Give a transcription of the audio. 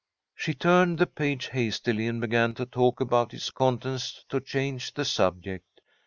She turned the page hastily and began to talk about its contents to change the subject.